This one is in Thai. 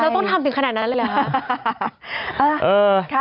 ต้องทำถึงขนาดนั้นเลยเหรอคะ